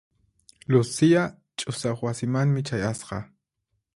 Lucia ch'usaq wasimanmi chayasqa.